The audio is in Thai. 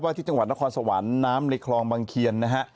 ที่จังหวัดนครสวรรค์น้ำในคลองบังเคียนนะฮะ